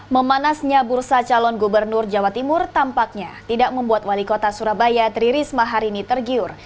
memanasnya bursa calon gubernur jawa timur tampaknya tidak membuat wali kota surabaya tri risma hari ini tergiur